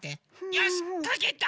よしっかけた！